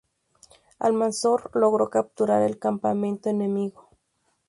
Almanzor logró capturar el campamento enemigo.